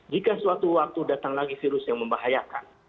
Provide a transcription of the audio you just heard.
jika suatu waktu datang lagi virus yang membahayakan